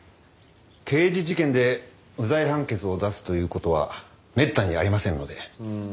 刑事事件で無罪判決を出すという事はめったにありませんので。